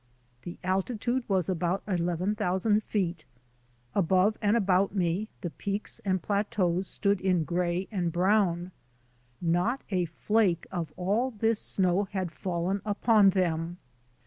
The altitude was about eleven thousand feet. Above and about me the peaks and plateaus stood in gray and brown. Not a flake of all this snow had fallen upon them.